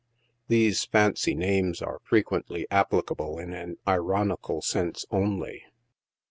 These fancy names are frequently applicable in an ironical sense, only.